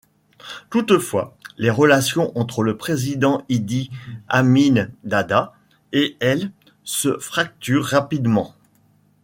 Toutefois, les relations entre le président Idi Amin Dada et elle se fracturent rapidement.